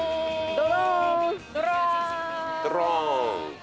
ドローン。